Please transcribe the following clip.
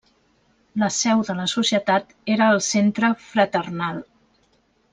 La seu de la societat era al Centre Fraternal.